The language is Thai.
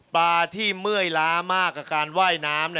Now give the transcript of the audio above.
ปลาที่เมื่อยล้ามากกับการว่ายน้ำ